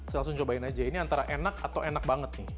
saya langsung cobain aja ini antara enak atau enak banget nih